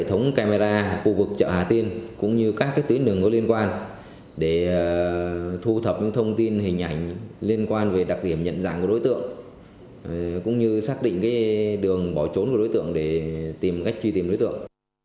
hệ thống camera khu vực chợ hà tiên cũng như các tuyến đường có liên quan để thu thập những thông tin hình ảnh liên quan về đặc điểm nhận dạng của đối tượng cũng như xác định đường bỏ trốn của đối tượng để tìm cách truy tìm đối tượng